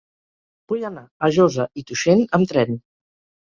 Vull anar a Josa i Tuixén amb tren.